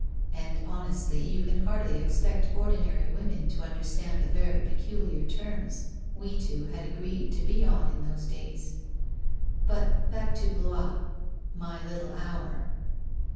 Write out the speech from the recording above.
And honestly, you can hardly ex pect ordinary women to understand the very peculiar terms we two had agreed to be on in those days. But, back to Blois — my little hour